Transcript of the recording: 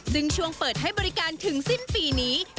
ซึ่งช่วงเปิดให้บริการถึงสิ้นปีนี้